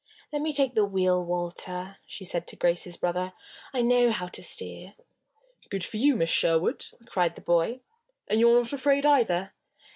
"Let me take the wheel, Walter," she said to Grace's brother. "I know how to steer." "Good for you, Miss Sherwood!" cried the boy. "And you're not afraid, either?"